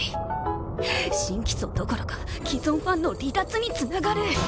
新規層どころか既存ファンの離脱に繋がる。